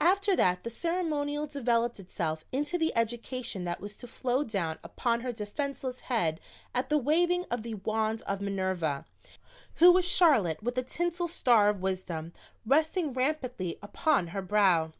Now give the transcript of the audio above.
After that the ceremonial developed itself into the education that was to flow down upon her defenseless head at the waving of the wand of Minerva, who was Charlotte with a tinsel star of wisdom resting rampantly upon her brow.